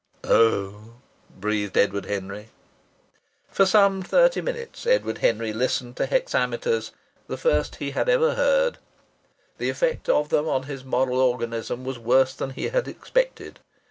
"Oh!" breathed Edward Henry. For some thirty minutes Edward Henry listened to hexameters, the first he had ever heard. The effect of them on his moral organism was worse than he had expected.